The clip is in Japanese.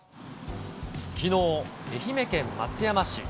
きのう、愛媛県松山市。